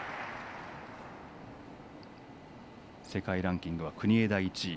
世界ランキングは国枝１位。